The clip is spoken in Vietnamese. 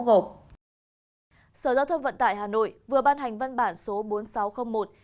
sở giao thông vận tải hà nội vừa ban hành văn bản số bốn nghìn sáu trăm linh một